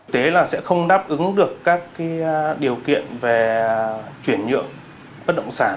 thế là sẽ không đáp ứng được các điều kiện về chuyển nhượng bất động sản